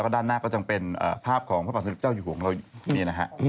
ด้านหน้าก็เป็นภาพของพระบาทศัลปิตเจ้าอยู่ของเรามี